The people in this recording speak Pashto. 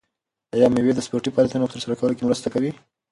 آیا مېوې د سپورتي فعالیتونو په ترسره کولو کې مرسته کوي؟